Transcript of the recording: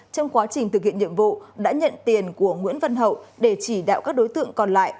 trong quá trình thực hiện nhiệm vụ đã nhận tiền của nguyễn văn hậu để chỉ đạo các đối tượng còn lại